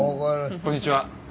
こんにちは。